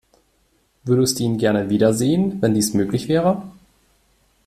Würdest du ihn gerne wiedersehen, wenn dies möglich wäre?